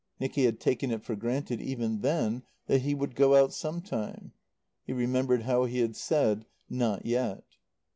Nicky had taken it for granted even then that he would go out some time. He remembered how he had said, "Not yet."